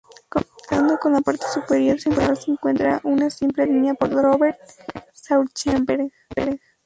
Comenzando en la parte superior central se encuentra una simple línea por Robert Rauschenberg.